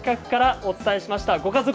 お邪魔しました、